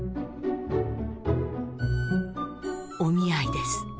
お見合いです。